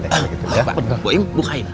pak boyu bukain